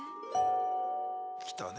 来たね。